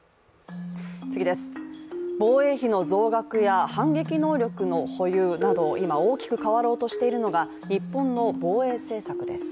防衛費の増額や、反撃能力の保有など今、大きく変わろうとしているのが日本の防衛政策です。